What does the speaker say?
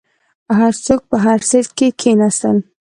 هر څوک په هر سیټ کې کیناستل.